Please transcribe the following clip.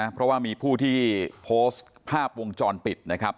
เพราะว่ามีผู้ที่โพสต์ภาพวงจรปิดนะครับ